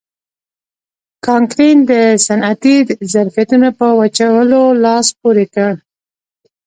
کانکرین د صنعتي ظرفیتونو په وچولو لاس پورې کړ.